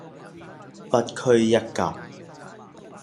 不拘一格